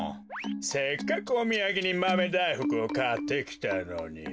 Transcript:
せっかくおみやげにマメだいふくをかってきたのに。